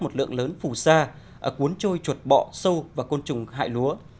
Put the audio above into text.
một lượng lớn phù sa cuốn trôi chuột bọ sâu và côn trùng hại lúa